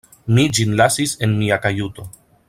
Mi ĝin lasis en mia kajuto.